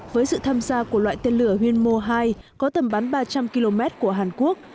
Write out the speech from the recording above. với sự tham gia của loại tên lửa hilmo hai có tầm bắn ba trăm linh km của hàn quốc